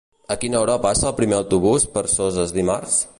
A quina hora passa el primer autobús per Soses dimarts?